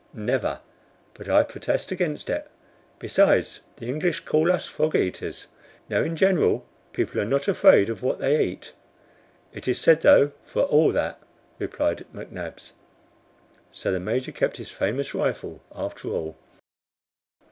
"Never! But I protest against it. Besides, the English call us 'frog eaters.' Now, in general, people are not afraid of what they eat." "It is said, though, for all that," replied McNabbs. So the Major kept his famous rifle after all.